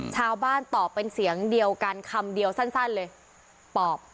ตอบเป็นเสียงเดียวกันคำเดียวสั้นเลยปอบ